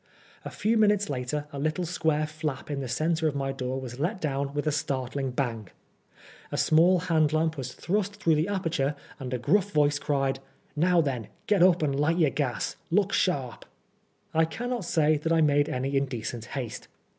A few minntes later a little sqnare flap in the centre of my door was let down with a startling bang ; a small hand lamp was thrust through the aperture, and a gruff voice cried " Now, then, get up and light your gas : look sharp. I cannot say that I made any indecent haste.